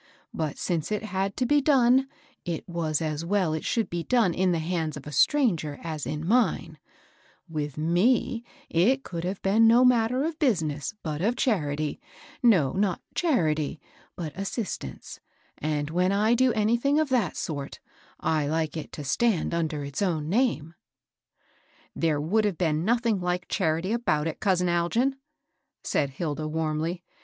But, since it had to ba done, it was as well it should be in the hands of a stranger as in mine* With me^ it could have been no matter of business, but of charity, —^ no, not eharity^ bat assistance ; and when I da anything of that sort, I like it to stand under its own name." '^ There would have been nothing Yk^ charity about it, cou^ Algin," said Hilda, warmly.